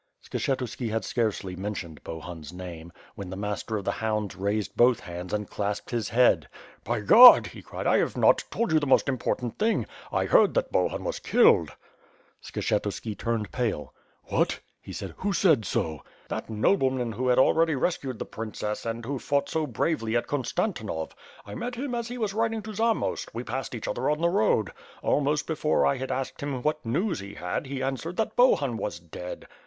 Skshetuski had scarcely mentioned Bohun's name, when the Master of the Hounds raised both hands and clasped his head. "By God!" he cried. "I have not told you the most im portant thing. I heard that Bohun was killed." Skshetuski turned pale. "What?" he said. "Who said so?" "That nobleman who had already rescued the princess and who fought so bravely at Konstantinov. I met him as he was riding to Zamost; we passed each other on the road. Almost before I had asked him what news he had, he answered that Bohun was dead.